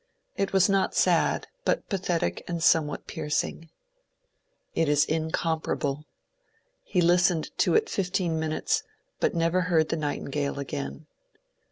It was not sad, but pathetic and somewhat piercing. It is incom parable. He listened to it fifteen minutes, but never heard the nightingale again.